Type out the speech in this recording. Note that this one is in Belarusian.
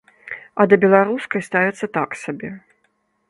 А да беларускай ставяцца так сабе.